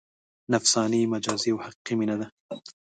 نفساني، مجازي او حقیقي مینه ده.